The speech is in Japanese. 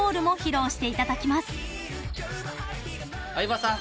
相葉さん。